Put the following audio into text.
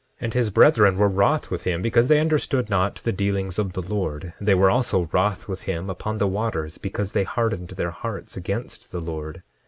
10:14 And his brethren were wroth with him because they understood not the dealings of the Lord; they were also wroth with him upon the waters because they hardened their hearts against the Lord.